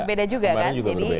berbeda juga kan